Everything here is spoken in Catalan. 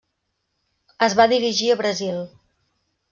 Es va dirigir a Brasil.